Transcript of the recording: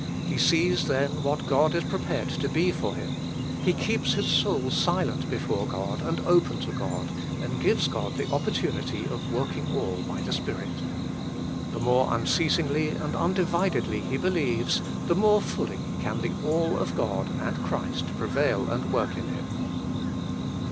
He sees then what God is prepared to be for him ; he keeps his soul silent before God and open to God, and gives God the opportunity of working all by the Spirit. The more unceasingly and undividedly he believes, the more fully can the All of God and Christ prevail and work in him.